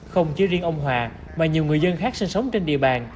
không chỉ riêng ông hòa mà nhiều người dân khác sinh sống trên địa bàn